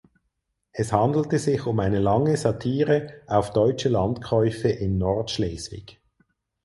Es handelte sich um eine lange Satire auf deutsche Landkäufe in Nordschleswig.